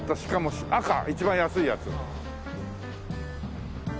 一番安いやつ。